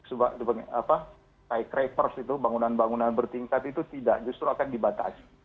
sebagai crapers itu bangunan bangunan bertingkat itu tidak justru akan dibatasi